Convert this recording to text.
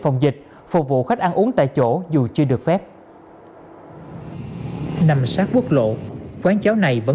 phòng dịch phục vụ khách ăn uống tại chỗ dù chưa được phép nằm sát quốc lộ quán cháo này vẫn